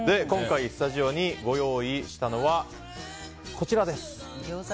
今回、スタジオにご用意したのがこちらです。